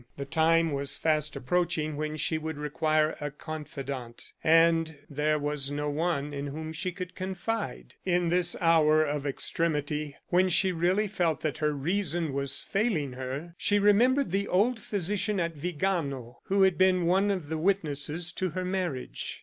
The time was fast approaching when she would require a confidant; and there was no one in whom she could confide. In this hour of extremity, when she really felt that her reason was failing her, she remembered the old physician at Vigano, who had been one of the witnesses to her marriage.